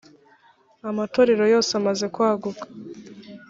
amatorero yose amaze kwaguka.